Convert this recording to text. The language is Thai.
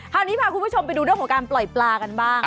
คุณผู้ชมไปดูเรื่องของการปล่อยปลากันบ้าง